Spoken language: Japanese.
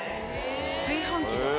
炊飯器だ。